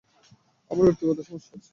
আমার ব্যক্তিগত সমস্যা আছে।